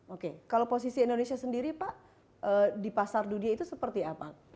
oke kalau posisi indonesia sendiri pak di pasar dunia itu seperti apa